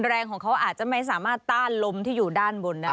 แรงของเขาอาจจะไม่สามารถต้านลมที่อยู่ด้านบนได้